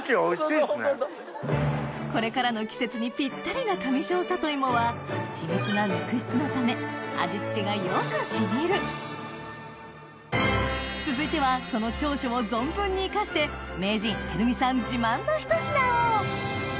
これからの季節にぴったりな上庄さといもは緻密な肉質なため味付けがよく染みる続いてはその長所を存分に生かして名人てるみさんやった！